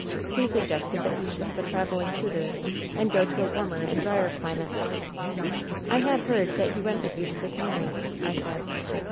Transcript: He suggested that he should have a traveling tutor, and go to a warmer and drier climate.' " *I had heard that he went with you to the Canaries/ I said.